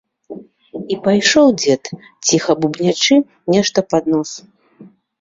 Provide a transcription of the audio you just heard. І пайшоў дзед, ціха бубнячы нешта пад нос.